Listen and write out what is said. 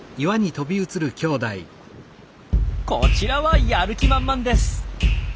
こちらはやる気満々です。